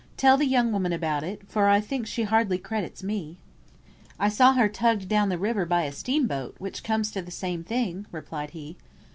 Tell the young woman about it, for I think she hardly credits me." "I saw her tugged down the river by a steam boat, which comes to same thing," replied he.